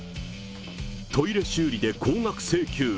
トイレ修理で高額請求。